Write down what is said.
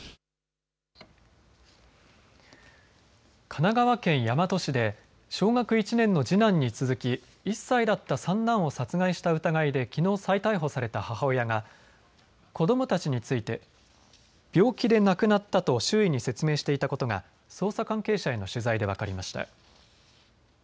神奈川県大和市で小学１年の次男に続き１歳だった三男を殺害した疑いできのう再逮捕された母親が子どもたちについて病気で亡くなったと周囲に説明していたことが捜査関係者への取材で分かりました。